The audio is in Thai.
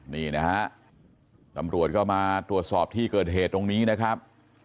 นี่นะฮะตำรวจก็มาตรวจสอบที่เกิดเหตุตรงนี้นะครับ